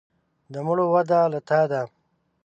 د مړو وده له تا ده.